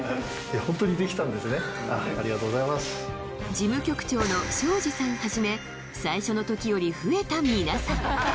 事務局長の庄司さんはじめ最初の時より増えた皆さん